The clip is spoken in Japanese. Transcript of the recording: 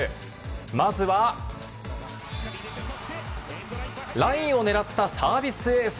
まずは、ラインを狙ったサービスエース。